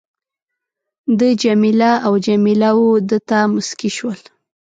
ده جميله او جميله وه ده ته مسکی شول.